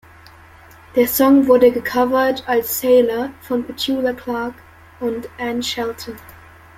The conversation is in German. Der Song wurde gecovert als "Sailor" von Petula Clark und Anne Shelton.